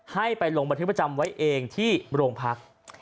ให้ไปลงบันทึกประจำไว้เองที่โรงพัก